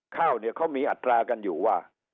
ข้าวเนี่ยเขามีอัตรากันอยู่ว่า